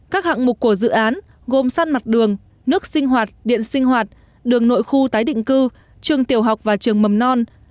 các hạng mục của dự án gồm săn mặt đường nước sinh hoạt điện sinh hoạt đường nội khu tái định cư trường tiểu học và trường mầm non